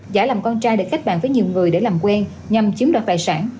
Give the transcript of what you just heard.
giải làm con trai để khách bạn với nhiều người để làm quen nhằm chiếm đoạt tài sản